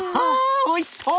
おいしそう！